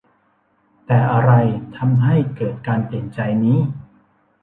แต่อะไรทำให้เกิดการเปลี่ยนใจนี้